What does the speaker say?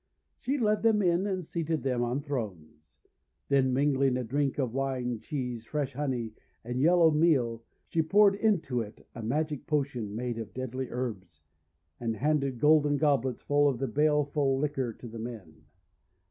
She led them in, and seated them on thrones. 392 THE WONDER GARDEN Then mingling a drink of wine, cheese, fresh honey, and yellow meal, she poured into it a magic potion made of deadly herbs, and handed golden goblets full of the baleful liquor to the men.